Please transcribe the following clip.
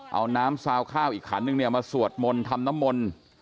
เอาน้ำซาวข้าวอีกขันนึงเนี่ยมาสวดมนต์ทำน้ำมนต์